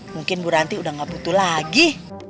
mungkin bu ranti udah nggak butuh lagi